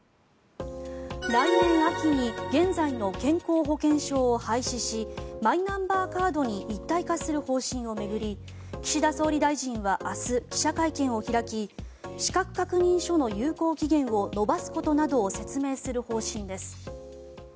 来年秋に現在の健康保険証を廃止しマイナンバーカードに一体化する方針を巡り岸田総理大臣は明日記者会見を開き資格確認書の有効期限を延ばすことなどを説明する方針です。